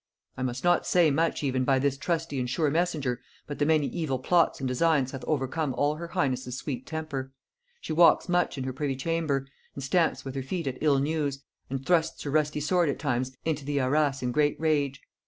I must not say much even by this trusty and sure messenger, but the many evil plots and designs hath overcome all her highness' sweet temper. She walks much in her privy chamber, and stamps with her feet at ill news, and thrusts her rusty sword at times into the arras in great rage.